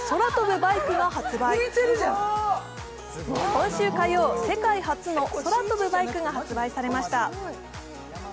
今週火曜、世界初の空飛ぶバイクが発売されました。